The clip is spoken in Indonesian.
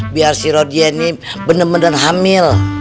biar si rodia ini bener bener hamil